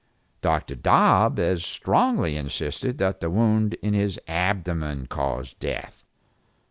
Dr. Dobb as strongly insisted that the wound in the abdomen caused death.